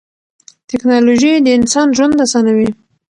تکنالوژي د انسان ژوند اسانوي.